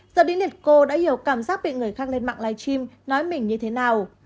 giờ đến netco đã hiểu cảm giác bị người khác lên mạng live stream nói mình như thế nào